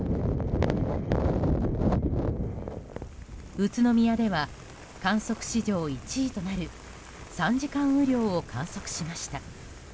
宇都宮では観測史上１位となる３時間雨量を観測しました。